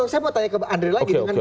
saya mau tanya ke bang andri lagi